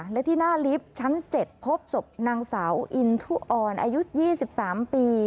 และที่หน้าลิฟท์ชั้น๗พบศพนางสาวอินทุออนอายุ๒๓ปี